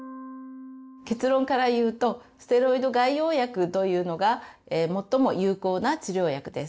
結論から言うとステロイド外用薬というのが最も有効な治療薬です。